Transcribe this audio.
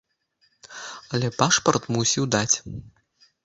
Але пашпарт мусіў даць.